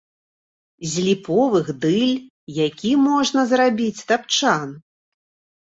З ліповых дыль які можна зрабіць тапчан.